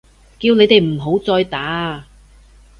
叫你哋唔好再打啊！